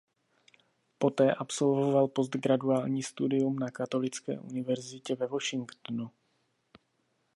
Poté absolvoval postgraduální studium na katolické univerzitě ve Washingtonu.